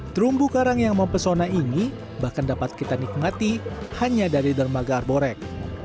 terumbu karang yang mempesona ini bahkan dapat kita nikmati hanya dari dermaga arborek